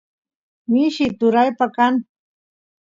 mishi turaypa kan